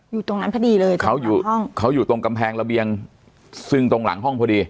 อยู่ตรงนั้นพอดีเลยเขาอยู่ตรงกำแพงระเบียงซึงตรงหลังห้องพอดี